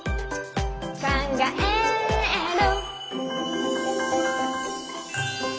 「かんがえる」